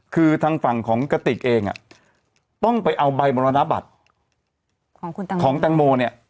คือทางฝั่งของกระติกเองต้องไปเอาใบมรณบัตรของคุณของแตงโมเนี่ย